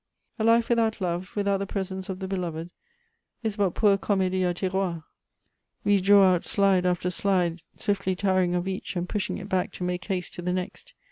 "A life without love, without the presence of the beloved, is but poor comedie a tiroir. We draw out slide after slide, swiftly tiring of each, and pushing it back to make haste to the n* xt.